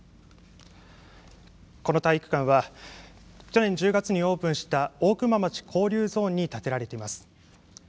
この体育館は去年１０月にオープンした大熊町交流ゾーンに建てられています。